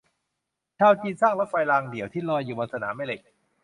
ชาวจีนสร้างรถไฟรางเดี่ยวที่ลอยอยู่บนสนามแม่เหล็ก